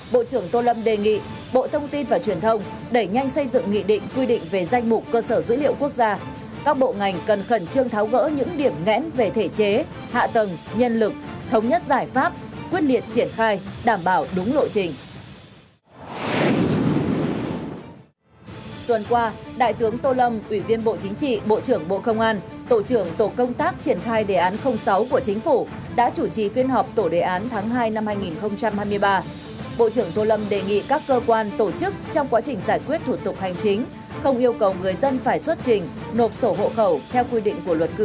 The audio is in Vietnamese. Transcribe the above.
bộ trưởng tô lâm đề nghị các cơ quan tổ chức trong quá trình giải quyết thủ tục hành chính không yêu cầu người dân phải xuất trình nộp sổ hộ khẩu theo quy định của luật cư trú